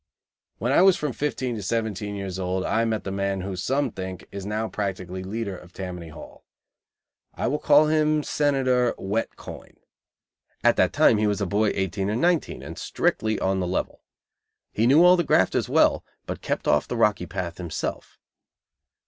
When I was from fifteen to seventeen years old, I met the man who, some think, is now practically leader of Tammany Hall. I will call him Senator Wet Coin. At that time he was a boy eighteen or nineteen and strictly on the level. He knew all the grafters well, but kept off the Rocky Path himself.